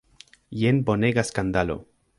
Jen bonega skandalo!